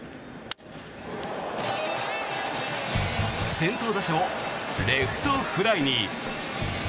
先頭打者をレフトフライに。